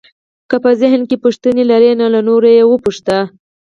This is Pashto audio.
که په ذهن کې پوښتنې لرئ نو له نورو یې وپوښته.